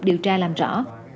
điều tra làm rõ